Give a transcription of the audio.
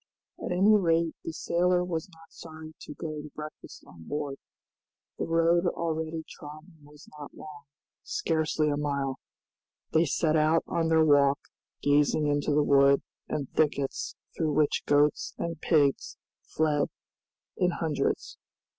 At any rate the sailor was not sorry to go to breakfast on board. The road already trodden was not long, scarcely a mile. They set out on their walk, gazing into the wood and thickets through which goats and pigs fled in hundreds.